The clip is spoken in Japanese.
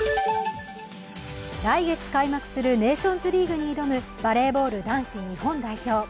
来月開幕するネーションズリーグに挑むバレーボール男子日本代表。